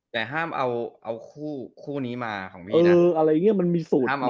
แต่ห้ามเอาคู่นี้มาของพี่นะ